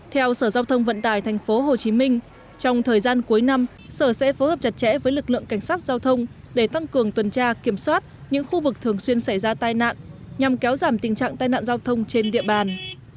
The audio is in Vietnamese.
theo sở giao thông vận tải tp hcm trong thời gian cuối năm sở sẽ phối hợp chặt chẽ với lực lượng cảnh sát giao thông để tăng cường tuần tra kiểm soát những khu vực thường xuyên xảy ra tai nạn nhằm kéo giảm tình trạng tai nạn giao thông trên địa bàn